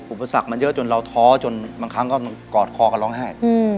อุปสรรคมันเยอะจนเราท้อจนบางครั้งก็กอดคอกันร้องไห้